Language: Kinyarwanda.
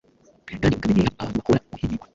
kandi ukamenyeha abantu bahobora guhimihwa